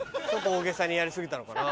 大げさにやり過ぎたのかな？